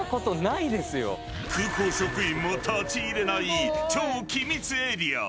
空港職員も立ち入れない超機密エリア。